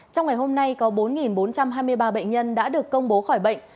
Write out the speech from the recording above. trong ngày hôm nay có bốn bốn trăm hai mươi ba bệnh nhân đã được công bố khỏi bệnh